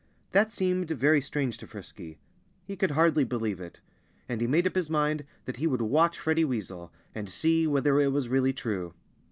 That seemed very strange to Frisky. He could hardly believe it. And he made up his mind that he would watch Freddie Weasel and see whether it was really true.